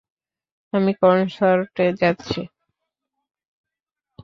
আমি কনসার্টে যাচ্ছি।